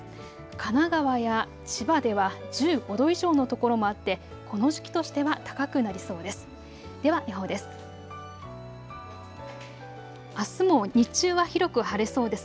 神奈川や千葉県では１５度以上の所もあって、この時期としては高くなりそうです。